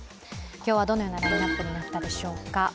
今日はどのようなラインナップになったでしょうか。